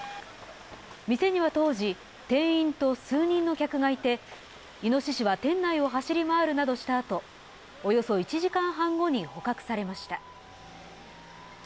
店には当時、店員と数人の客がいて、イノシシは店内を走り回るなどしたあと、およそ１時間半後に捕獲されました。